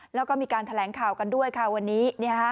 แล้วก็มีการแถลงข่าวกันด้วยค่ะวันนี้